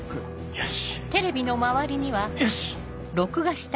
よし！